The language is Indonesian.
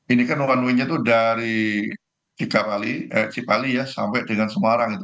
ini kan one way nya itu dari cipali ya sampai dengan semarang